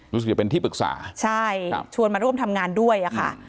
รู้สึกจะเป็นที่ปรึกษาใช่ชวนมาร่วมทำงานด้วยอะค่ะ